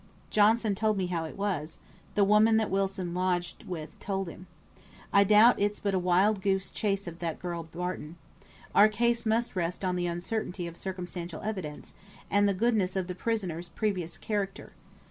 "Johnson told me how it was; the woman that Wilson lodged with told him. I doubt it's but a wild goose chase of the girl Barton. Our case must rest on the uncertainty of circumstantial evidence, and the goodness of the prisoner's previous character.